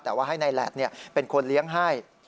แต่ว่าให้นายแหลดเป็นคนเลี้ยงให้